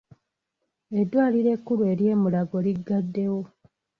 Eddwaliro ekkulu ery'e Mulago liggaddewo.